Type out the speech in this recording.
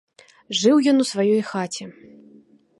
Жыў ён у сваёй хаце.